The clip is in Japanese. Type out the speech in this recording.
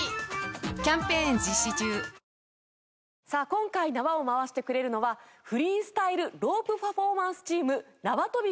今回縄を回してくれるのはフリースタイルロープパフォーマンスチームなわとび